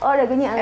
oh dagunya angkat